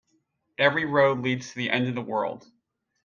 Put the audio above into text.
Every road leads to the end of the world.